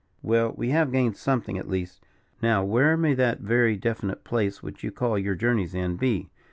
"Well, we have gained something at least. Now where may that very definite place, which you call your journey's end, be?